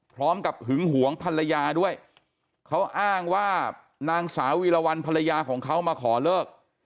หึงหวงภรรยาด้วยเขาอ้างว่านางสาววีรวรรณภรรยาของเขามาขอเลิก